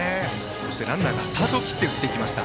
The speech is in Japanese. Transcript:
そしてランナーがスタートを切って打っていきました。